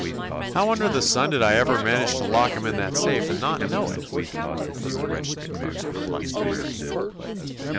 "How under the sun did I ever manage to lock him in that safe and not know it?" was the registry clerk's perplexed query.